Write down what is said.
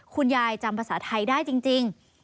คุณยายจำภาษาไทยได้จริง